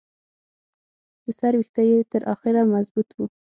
د سر ویښته یې تر اخره مضبوط وو.